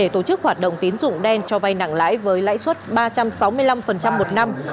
thuê trong tín dụng đen cho vai nặng lãi với lãi suất ba trăm sáu mươi năm một năm